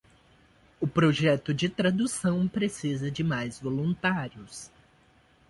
O projeto de tradução precisa de mais voluntários.